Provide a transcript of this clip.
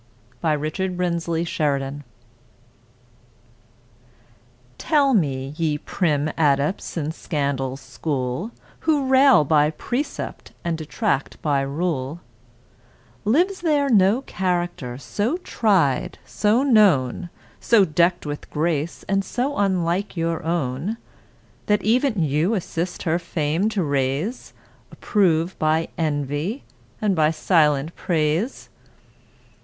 by: Richard Brinsley Sheridan (1751 1816) ell me, ye prim adepts in Scandal's school, Who rail by precept, and detract by rule, Lives there no character, so tried, so known, So deck'd with grace, and so unlike your own, That even you assist her fame to raise, Approve by envy, and by silence praise!